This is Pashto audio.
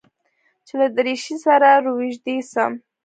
چې له دريشۍ سره روږدى سم.